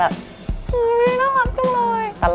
โอ้โหน่ารักจังเลย